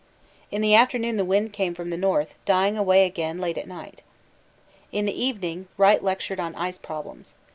In the afternoon the wind came from the north, dying away again late at night. In the evening Wright lectured on 'Ice Problems.'